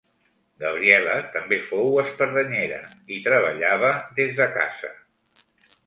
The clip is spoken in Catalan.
Gabriela també fou espardenyera, i treballava des de casa.